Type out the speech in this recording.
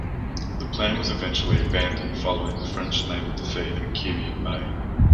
The plan was eventually abandoned following the French naval defeat at Quiberon Bay.